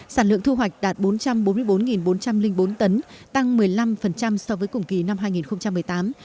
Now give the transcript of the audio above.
sản lượng thu hoạch đạt bốn trăm bốn mươi bốn bốn trăm linh bốn tấn tăng một mươi năm so với cùng kỳ năm hai nghìn một mươi tám